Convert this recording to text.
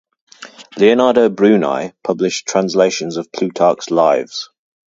Leonardo Bruni published translations of Plutarch's "Lives".